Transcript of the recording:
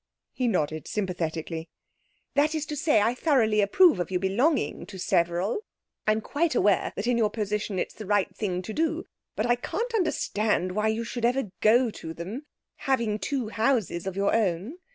He nodded sympathetically. 'That is to say, I thoroughly approve of your belonging to several. I'm quite aware that in your position it's the right thing to do, but I can't understand why you should ever go to them, having two houses of your own.